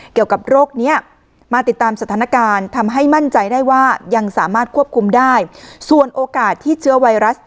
เกี่ยวกับโรคนี้มาติดตามสถานการณ์ทำให้มั่นใจได้ว่ายังสามารถควบคุมได้ส่วนโอกาสที่เชื้อไวรัส